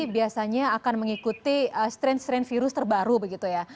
biasanya akan mengikuti strain strain virus terbaru begitu ya